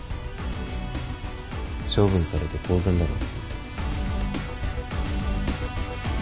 処分されて当然だろ。